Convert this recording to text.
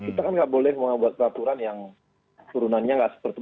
kita kan nggak boleh membuat peraturan yang turunannya nggak seperti itu